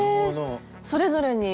それぞれに？